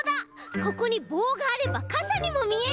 ここにぼうがあればかさにもみえる。